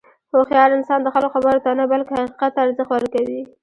هوښیار انسان د خلکو خبرو ته نه، بلکې حقیقت ته ارزښت ورکوي.